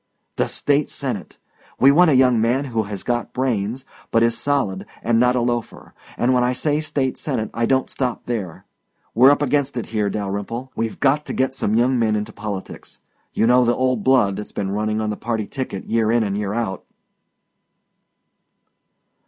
"The State Senate. We want a young man who has got brains, but is solid and not a loafer. And when I say State Senate I don't stop there. We're up against it here, Dalyrimple. We've got to get some young men into politics you know the old blood that's been running on the party ticket year in and year out."